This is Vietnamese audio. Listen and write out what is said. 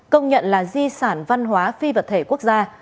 công nhận là di sản văn hóa phi vật thể quốc gia